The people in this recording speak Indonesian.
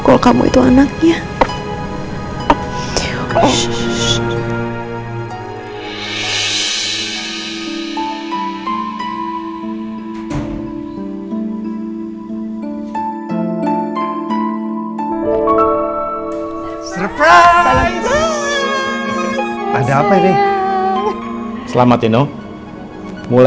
kalau kamu itu anaknya